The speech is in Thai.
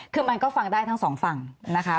คือมันก็ฟังได้ทั้งสองฝั่งนะคะ